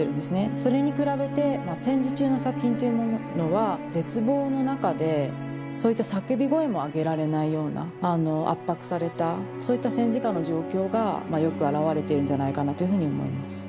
それに比べて戦時中の作品というものは絶望の中でそういった叫び声も上げられないようなあの圧迫されたそういった戦時下の状況がまあよく表れてるんじゃないかなというふうに思います。